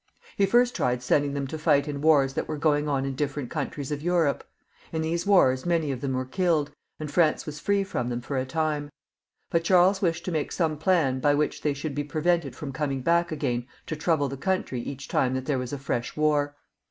He first tried sending them to fight in wars that were going on in different countries of Europe. In these wars many of them were killed, and France was free from them for a time ; but Charles wished to make some plan by which they should be prevented from coming back again to trouble the country each time that there was a fresh war.